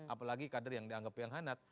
apalagi kader yang dianggap yang hangat